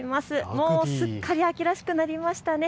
もうすっかり秋らしくなりましたね。